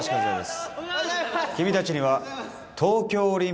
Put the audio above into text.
君たちには。